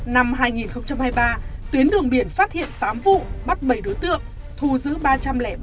năm hai nghìn hai mươi ba tuyến đường biển phát hiện tám vụ bắt bảy đối tượng thu giữ ba trăm linh ba người